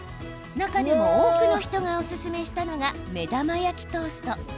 中でも多くの人がおすすめしたのが目玉焼きトースト。